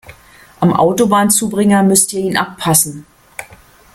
Am Autobahnzubringer müsst ihr ihn abpassen.